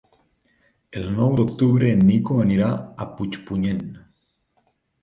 El nou d'octubre en Nico anirà a Puigpunyent.